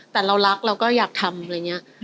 แต่เรารักเราก็อยากทำอะไรอย่างนี้